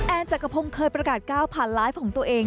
แอนจากกระพงเคยประกาศ๙๐๐๐ไลฟ์ของตัวเอง